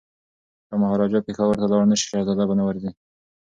که مهاراجا پېښور ته لاړ نه شي شهزاده به نه ورځي.